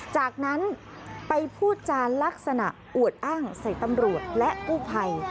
จากนั้นไปพูดจานลักษณะอวดอ้างใส่ตำรวจและกู้ภัย